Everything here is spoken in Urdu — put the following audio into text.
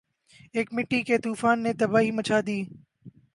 ایک مٹی کے طوفان نے تباہی مچا دی